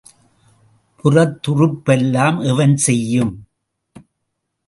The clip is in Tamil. புறத்துறுப்பெல்லாம் எவன் செய்யும்?